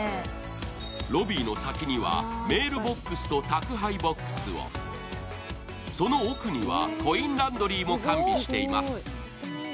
ロビーの先にはメールボックスと宅配ボックスをその奥には、コインランドリーも完備しています。